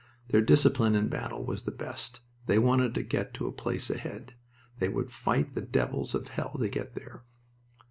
Their discipline in battle was the best. They wanted to get to a place ahead. They would fight the devils of hell to get there.